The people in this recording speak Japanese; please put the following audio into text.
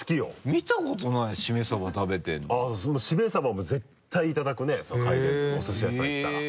見たことないしめさば食べてるのしめさばもう絶対いただくねお寿司屋さん行ったら。